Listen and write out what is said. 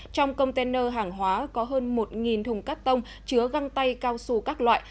trong container hàng hóa có hơn một thùng cắt tông chứa găng tay cao su các loại